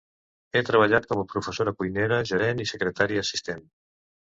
Ha treballat com a professora, cuinera, gerent i secretària assistent.